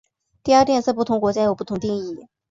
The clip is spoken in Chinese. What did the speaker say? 低压电在不同国家有不同定义。